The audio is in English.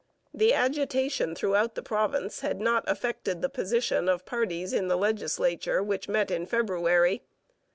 The agitation throughout the province had not affected the position of parties in the legislature which met in February.